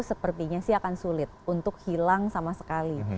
sepertinya sih akan sulit untuk hilang sama sekali